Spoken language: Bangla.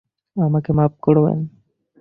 আমাকে মাপ করবেন।